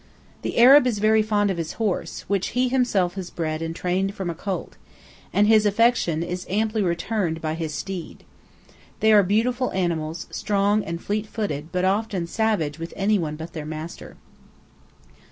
The Arab is very fond of his horse, which he himself has bred and trained from a colt, and his affection is amply returned by his steed. They are beautiful animals, strong and fleet footed, but often savage with anyone but their master.